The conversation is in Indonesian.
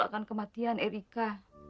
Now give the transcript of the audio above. akan kematian erika